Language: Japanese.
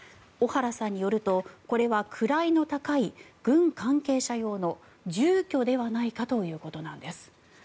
小原さんによるとこれは位の高い軍関係者用の住居ではないかということなんです。